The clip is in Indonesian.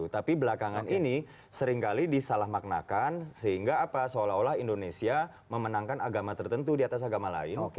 tapi belakangan ini seringkali disalahmaknakan sehingga apa seolah olah indonesia memenangkan agama tertentu di atas agama lain